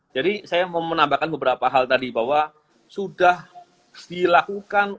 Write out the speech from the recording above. saya mau menambahkan beberapa hal tadi bahwa sudah dilakukan